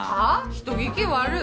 人聞き悪っ。